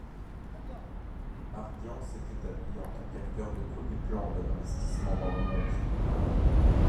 Ardian s’est établi en tant qu’acteur de premier plan de l’investissement dans le monde.